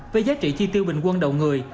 với giá trị chi tiêu bình quân đầu người